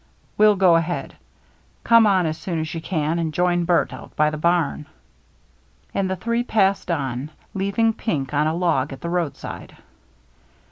" We'll go ahead. Come on as soon as you can and join Bert out by the barn." And the three passed on, leaving Pink on a log at the roadside.